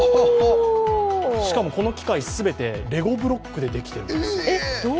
しかもこの機械全て、レゴブロックでできているんですよ。